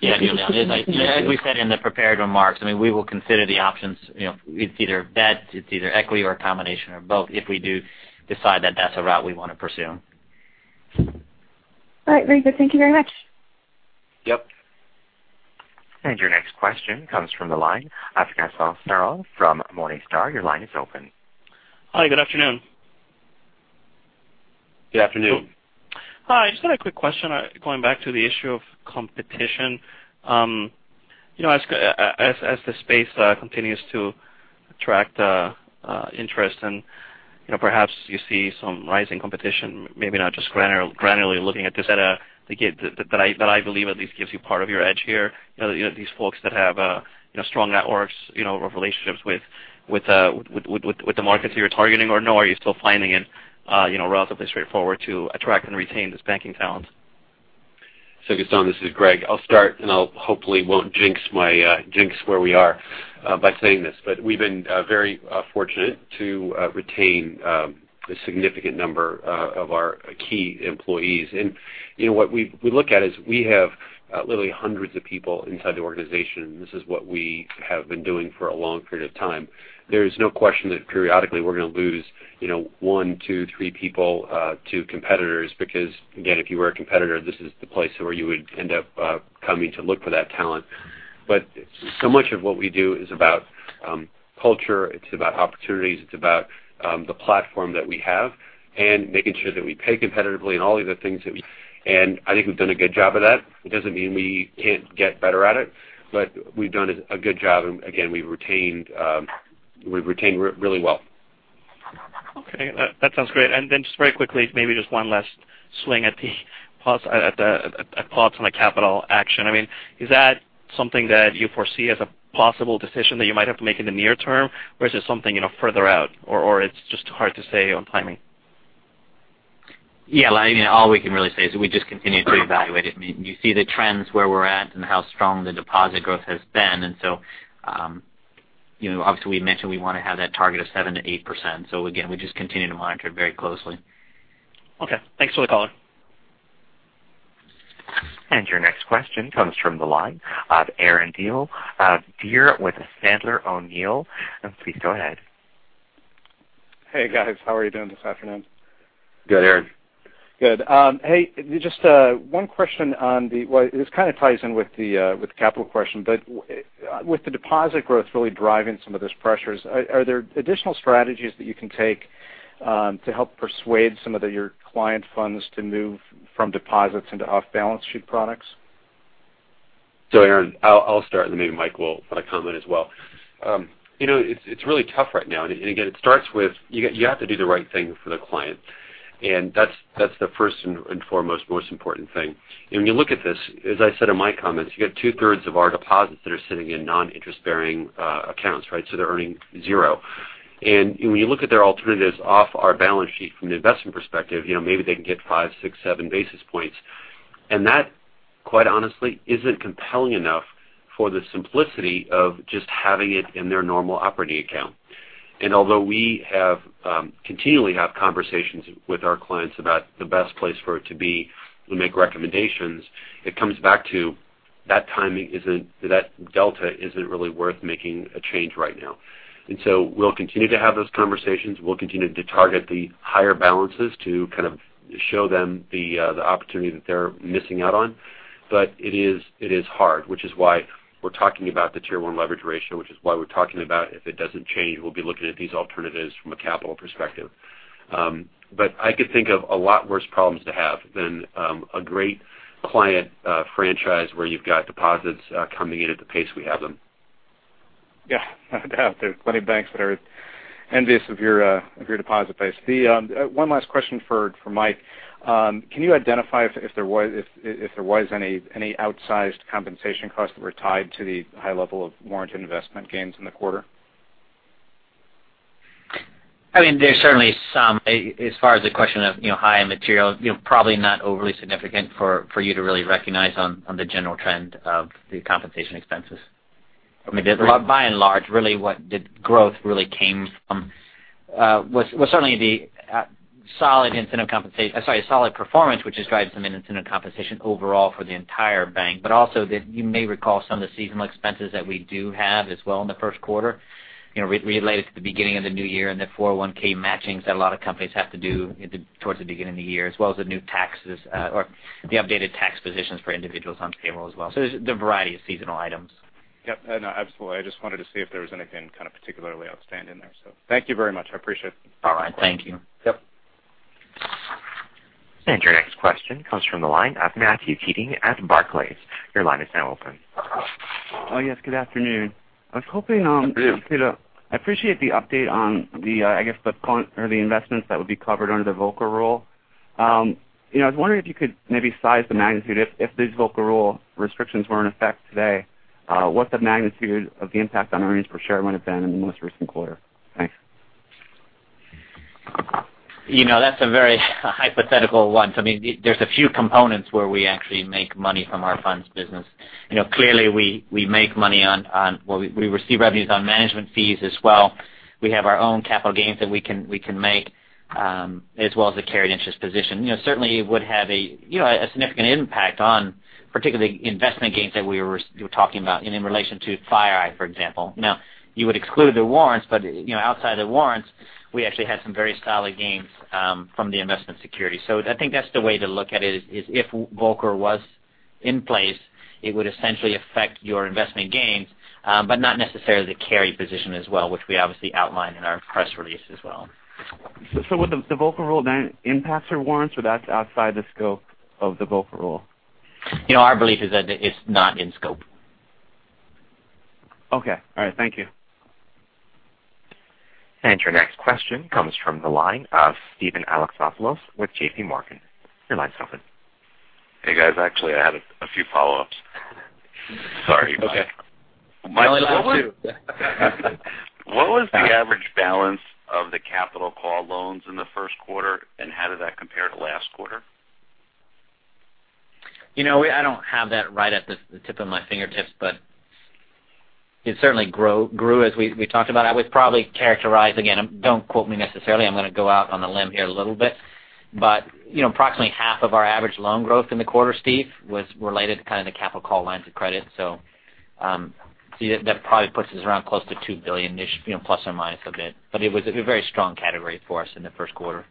Yeah. As we said in the prepared remarks, we will consider the options. It's either debt, it's either equity, or a combination of both if we do decide that that's a route we want to pursue. All right. Very good. Thank you very much. Yep. Your next question comes from the line of Gaston Srouji from Morningstar. Your line is open. Hi, good afternoon. Good afternoon. Hi, I just had a quick question going back to the issue of competition. As the space continues to attract interest and perhaps you see some rising competition, maybe not just granularly looking at this, that I believe at least gives you part of your edge here. These folks that have strong networks of relationships with the markets you're targeting, or no, are you still finding it relatively straightforward to attract and retain this banking talent? Gaston, this is Greg. I'll start, and I hopefully won't jinx where we are by saying this, but we've been very fortunate to retain a significant number of our key employees. What we look at is we have literally hundreds of people inside the organization. This is what we have been doing for a long period of time. There is no question that periodically we're going to lose one, two, three people to competitors because, again, if you were a competitor, this is the place where you would end up coming to look for that talent. So much of what we do is about culture, it's about opportunities, it's about the platform that we have, and making sure that we pay competitively and all the other things. I think we've done a good job of that. It doesn't mean we can't get better at it, but we've done a good job. We've retained really well. Okay. That sounds great. Just very quickly, maybe just one last swing at the pause on the capital action. Is that something that you foresee as a possible decision that you might have to make in the near term, or is it something further out, or it's just hard to say on timing? Yeah. All we can really say is we just continue to evaluate it. You see the trends where we're at and how strong the deposit growth has been. Obviously we mentioned we want to have that target of 7%-8%. Again, we just continue to monitor it very closely. Okay. Thanks for the color. Your next question comes from the line of Aaron Deer with Sandler O'Neill. Please go ahead. Hey, guys. How are you doing this afternoon? Good, Aaron. Good. Hey, just one question on the Well, this kind of ties in with the capital question, but with the deposit growth really driving some of those pressures, are there additional strategies that you can take to help persuade some of your client funds to move from deposits into off-balance sheet products? Aaron, I'll start, then maybe Mike will comment as well. It's really tough right now, again, it starts with you have to do the right thing for the client. That's the first and foremost, most important thing. When you look at this, as I said in my comments, you got two-thirds of our deposits that are sitting in non-interest bearing accounts. They're earning zero. When you look at their alternatives off our balance sheet from the investment perspective, maybe they can get five, six, seven basis points. That, quite honestly, isn't compelling enough for the simplicity of just having it in their normal operating account. Although we continually have conversations with our clients about the best place for it to be, we make recommendations, it comes back to that timing isn't, that delta isn't really worth making a change right now. We'll continue to have those conversations. We'll continue to target the higher balances to kind of show them the opportunity that they're missing out on. It is hard, which is why we're talking about the Tier 1 leverage ratio, which is why we're talking about if it doesn't change, we'll be looking at these alternatives from a capital perspective. I could think of a lot worse problems to have than a great client franchise where you've got deposits coming in at the pace we have them. Yeah. No doubt. There are plenty of banks that are envious of your deposit base. One last question for Mike. Can you identify if there was any outsized compensation costs that were tied to the high level of warranted investment gains in the quarter? There's certainly some. As far as the question of high material, probably not overly significant for you to really recognize on the general trend of the compensation expenses. By and large, really what the growth really came from was certainly the solid incentive compensation, sorry, solid performance, which is driving some incentive compensation overall for the entire bank. Also that you may recall some of the seasonal expenses that we do have as well in the first quarter related to the beginning of the new year and the 401 matchings that a lot of companies have to do towards the beginning of the year, as well as the new taxes, or the updated tax positions for individuals on payroll as well. There's a variety of seasonal items. Yep. No, absolutely. I just wanted to see if there was anything kind of particularly outstanding there. Thank you very much. I appreciate it. All right. Thank you. Yep. Your next question comes from the line of Matthew Keating at Barclays. Your line is now open. Yes. Good afternoon. After you. I appreciate the update on the, I guess, the investments that would be covered under the Volcker Rule. I was wondering if you could maybe size the magnitude if these Volcker Rule restrictions were in effect today, what the magnitude of the impact on earnings per share would've been in the most recent quarter. Thanks. That's a very hypothetical one. There's a few components where we actually make money from our funds business. Clearly we make money on, well, we receive revenues on management fees as well. We have our own capital gains that we can make, as well as the carried interest position. Certainly it would have a significant impact on particularly investment gains that we were talking about in relation to FireEye, for example. You would exclude the warrants, but outside the warrants, we actually had some very solid gains from the investment security. I think that's the way to look at it is if Volcker was in place, it would essentially affect your investment gains, but not necessarily the carry position as well, which we obviously outlined in our press release as well. Would the Volcker Rule then impact your warrants, or that's outside the scope of the Volcker Rule? Our belief is that it's not in scope. Okay. All right. Thank you. Your next question comes from the line of Steven Alexopoulos with J.P. Morgan. Your line's open. Hey, guys. Actually, I have a few follow-ups. Sorry. Okay. No worries. What was the average balance of the capital call loans in the first quarter, and how did that compare to last quarter? I don't have that right at the tip of my fingertips, but it certainly grew as we talked about. I would probably characterize, again, don't quote me necessarily, I'm going to go out on a limb here a little bit, but approximately half of our average loan growth in the quarter, Steve, was related to kind of the capital call lines of credit. That probably puts us around close to $2 billion-ish, plus or minus a bit. It was a very strong category for us in the first quarter.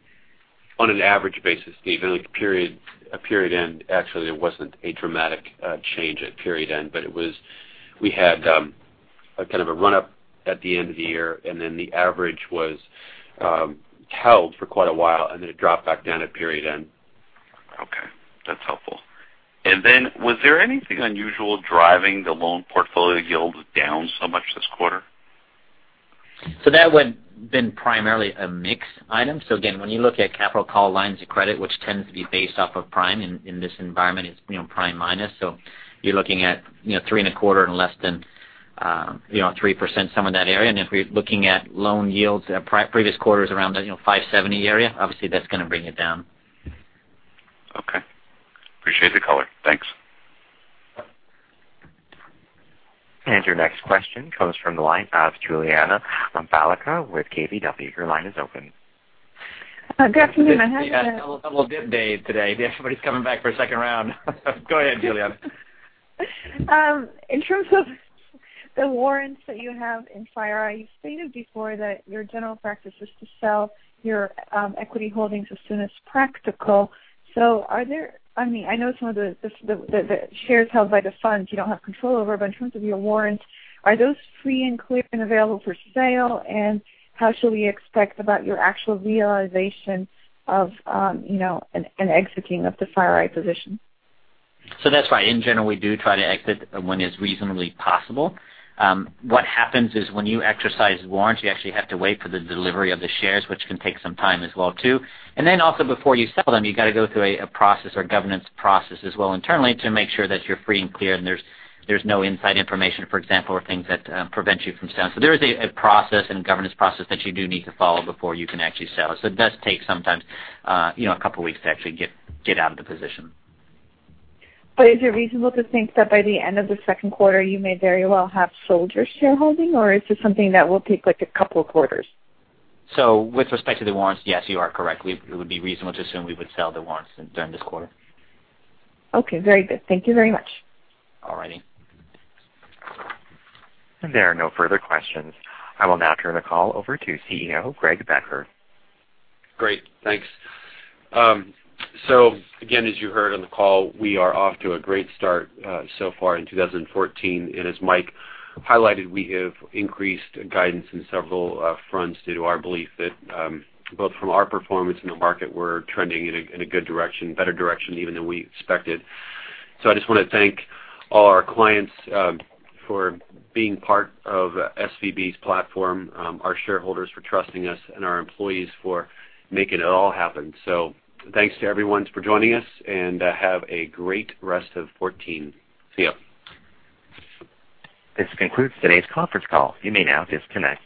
On an average basis, Steve, a period end, actually, it wasn't a dramatic change at period end, but we had a run-up at the end of the year, and then the average was held for quite a while, and then it dropped back down at period end. Okay. That's helpful. Was there anything unusual driving the loan portfolio yield down so much this quarter? That would've been primarily a mix item. Again, when you look at capital call lines of credit, which tends to be based off of prime in this environment, it's prime minus. You're looking at three and a quarter and less than 3%, somewhere in that area. If we're looking at loan yields at previous quarters around the 570 area, obviously that's going to bring it down. Okay. Appreciate the color. Thanks. Your next question comes from the line of Juliana Balicka with KBW. Your line is open. Good afternoon. We had double dip day today. Everybody's coming back for a second round. Go ahead, Julianna. In terms of the warrants that you have in FireEye, you stated before that your general practice is to sell your equity holdings as soon as practical. I know some of the shares held by the funds you don't have control over, but in terms of your warrants, are those free and clear and available for sale? How should we expect about your actual realization of an exiting of the FireEye position? That's right. In general, we do try to exit when is reasonably possible. What happens is when you exercise warrants, you actually have to wait for the delivery of the shares, which can take some time as well, too. Then also before you sell them, you got to go through a process or governance process as well internally to make sure that you're free and clear and there's no inside information, for example, or things that prevent you from selling. There is a process and governance process that you do need to follow before you can actually sell it. It does take some time, a couple of weeks to actually get out of the position. Is it reasonable to think that by the end of the second quarter, you may very well have sold your shareholding, or is this something that will take a couple of quarters? With respect to the warrants, yes, you are correct. It would be reasonable to assume we would sell the warrants during this quarter. Okay. Very good. Thank you very much. All righty. There are no further questions. I will now turn the call over to CEO, Greg Becker. Great. Thanks. Again, as you heard on the call, we are off to a great start so far in 2014. As Mike highlighted, we have increased guidance in several fronts due to our belief that both from our performance and the market, we're trending in a good direction, better direction even than we expected. I just want to thank all our clients for being part of SVB's platform, our shareholders for trusting us, and our employees for making it all happen. Thanks to everyone for joining us, and have a great rest of 2014. See you. This concludes today's conference call. You may now disconnect.